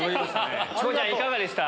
チコちゃんいかがでした？